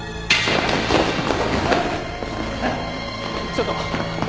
ちょっと。